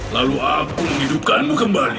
lalu aku menghidupkanmu kembali